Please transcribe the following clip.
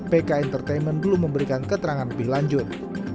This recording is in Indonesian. pk entertainment belum memberikan keterangan lebih lanjut